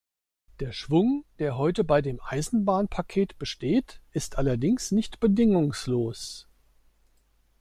Der Schwung, der heute bei dem Eisenbahnpaket besteht, ist allerdings nicht bedingungslos.